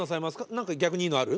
「何か逆にいいのある？」